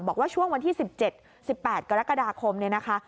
บอกว่าช่วงวันที่๑๗๑๘กรกฎาคมเนี่ยนะคะ